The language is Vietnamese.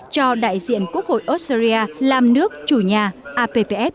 cho đại diện quốc hội australia làm nước chủ nhà appf hai mươi tám